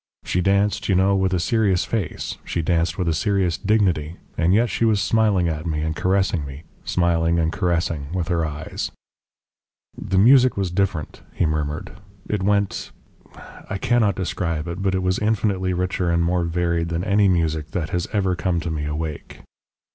She danced, you know, with a serious face; she danced with a serious dignity, and yet she was smiling at me and caressing me smiling and caressing with her eyes. "The music was different," he murmured. "It went I cannot describe it; but it was infinitely richer and more varied than any music that has ever come to me awake.